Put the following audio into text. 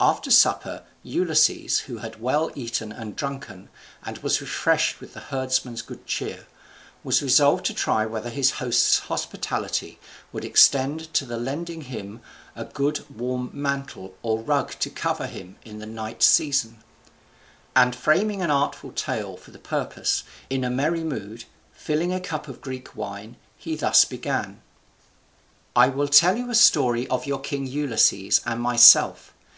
After supper, Ulysses, who had well eaten and drunken, and was refreshed with the herdsman's good cheer, was resolved to try whether his host's hospitality would extend to the lending him a good warm mantle or rug to cover him in the night season; and framing an artful tale for the purpose, in a merry mood, filling a cup of Greek wine, he thus began: "I will tell you a story of your king Ulysses and myself.